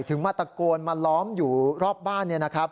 มาตะโกนมาล้อมอยู่รอบบ้าน